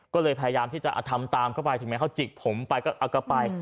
ก็เลยพยายามที่จะทำตามเข้าไปถึงแม้เขาจิกผมไปก็เอากลับไป